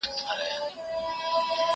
تکړښت د زهشوم له خوا کيږي!؟